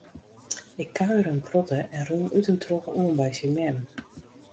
Ik kuiere in protte en rûn út en troch oan by syn mem.